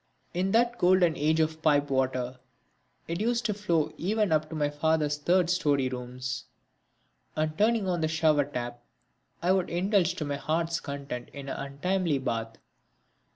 In that golden age of pipe water, it used to flow even up to my father's third storey rooms. And turning on the shower tap I would indulge to my heart's content in an untimely bath.